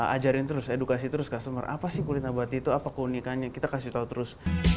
ajarin terus edukasi terus customer apa sih kulit abati itu apa keunikannya kita kasih tahu terus